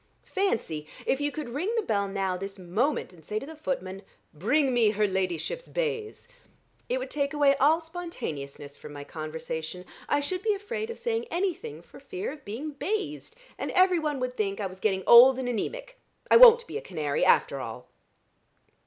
Fancy, if you could ring the bell now this moment, and say to the footman, 'Bring me her ladyship's baize!' It would take away all spontaneousness from my conversation. I should be afraid of saying anything for fear of being baized, and every one would think I was getting old and anæmic. I won't be a canary after all!"